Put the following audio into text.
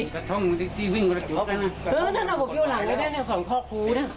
ครับ